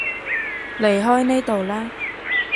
離開呢度啦